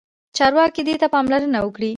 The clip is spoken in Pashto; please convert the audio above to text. چارواکي دې پاملرنه وکړي.